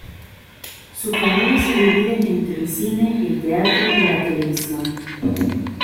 Su carrera se divide entre el cine, el teatro y la televisión.